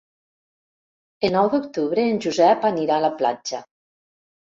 El nou d'octubre en Josep anirà a la platja.